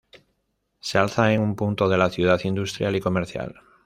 Se alza en un punto de la ciudad industrial y comercial.